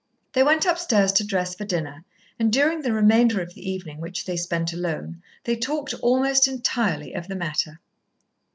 They went upstairs to dress for dinner, and during the remainder of the evening which they spent alone they talked almost entirely of the matter.